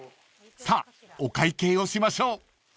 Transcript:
［さあお会計をしましょう］